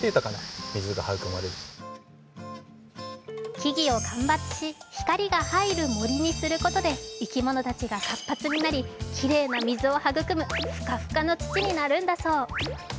木々を間伐し、光が入る森にすることで生き物たちが活発になりきれいな水を育むフカフカの土になるんだそう。